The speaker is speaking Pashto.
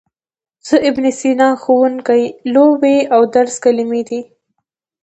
زه، ابن سینا، ښوونکی، لوبې او درس کلمې دي.